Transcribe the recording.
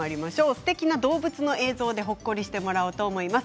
すてきな動物の映像でほっこりしてもらおうと思います。